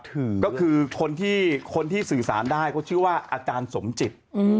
คือก็คือคนที่คนที่สื่อสารได้เขาชื่อว่าอาจารย์สมจิต